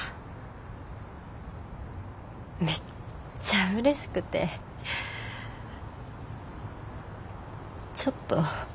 めっちゃうれしくてちょっとさみしいです。